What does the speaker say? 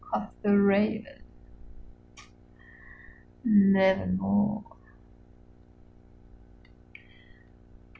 Quoth the Raven, "Nevermore."